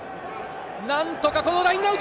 何とかラインアウト。